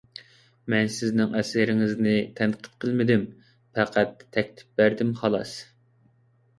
مەن سىزنىڭ ئەسىرىڭىزنى تەنقىد قىلمىدىم، پەقەت تەكلىپ بەردىم، خالاس.